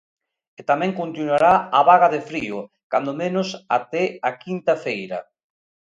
E tamén continuará a vaga de frío, cando menos até a quinta feira.